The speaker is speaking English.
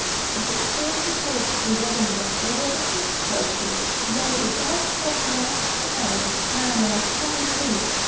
But still he holds the wedding guest There was a Ship, quoth he "Nay, if thou'st got a laughsome tale, "Marinere! come with me."